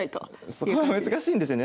そこは難しいんですよね。